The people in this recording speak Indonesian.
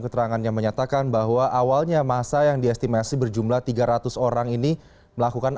keterangannya menyatakan bahwa awalnya masa yang diestimasi berjumlah tiga ratus orang ini melakukan